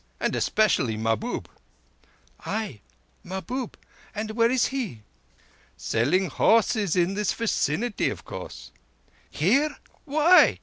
And especially Mahbub." "Ay, Mahbub. And where is he?" "Selling horses in this vi cinity, of course." "Here! Why?